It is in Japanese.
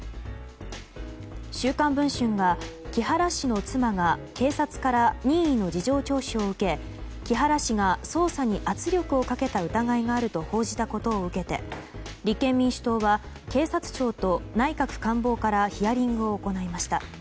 「週刊文春」が木原氏の妻が、警察から任意の事情聴取を受け、木原氏が捜査に圧力をかけた疑いがあると報じたことを受けて立憲民主党は警察庁と内閣官房からヒアリングを行いました。